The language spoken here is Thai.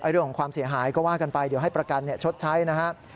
เรื่องของความเสียหายก็ว่ากันไปเดี๋ยวให้ประกันชดใช้นะครับ